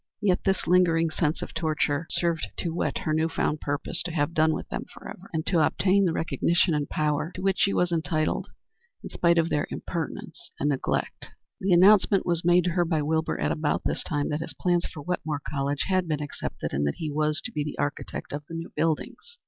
Yet this lingering sense of torture served to whet her new found purpose to have done with them forever, and to obtain the recognition and power to which she was entitled, in spite of their impertinence and neglect. The announcement was made to her by Wilbur at about this time that his plans for Wetmore College had been accepted, and that he was to be the architect of the new buildings.